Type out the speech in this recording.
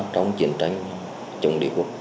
trong chiến tranh chống địa quốc